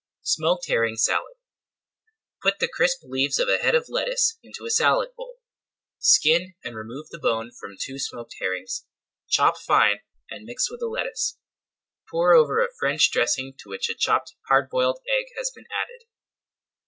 SMOKED HERRING SALAD Put the crisp leaves of a head of lettuce into a salad bowl. Skin and remove the bone from two smoked herrings, chop fine and mix with the lettuce. Pour over a French dressing to which a chopped hard boiled egg has been added.